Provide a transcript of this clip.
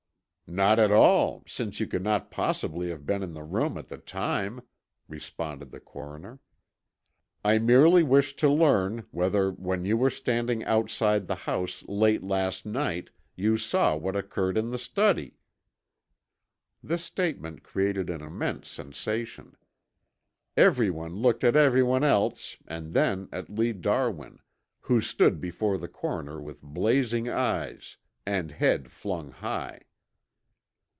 "Not at all, since you could not possibly have been in the room at the time," responded the coroner. "I merely wished to learn, whether when you were standing outside the house late last night, you saw what occurred in the study." This statement created an immense sensation. Everyone looked at everyone else and then at Lee Darwin, who stood before the coroner with blazing eyes and head flung high.